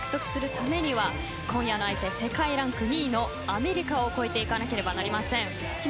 パリへのメダルを獲得するためには今夜の相手、世界ランク２位のアメリカを越えていかなければなりません。